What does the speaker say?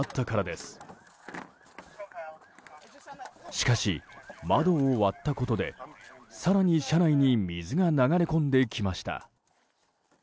しかし、窓を割ったことで更に車内に水が流れ込んできました。